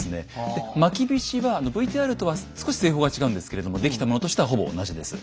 でまきびしはＶＴＲとは少し製法が違うんですけれども出来たものとしてはほぼ同じです。